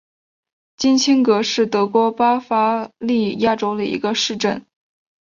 金钦格是德国巴伐利亚州的一个市镇。